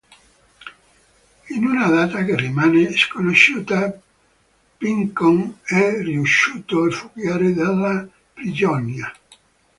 In una data che rimane sconosciuta, Pinchon è riuscito a fuggire dalla prigionia.